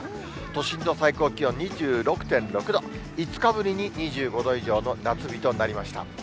都心の最高気温２６．６度、５日ぶりに２５度以上の夏日となりました。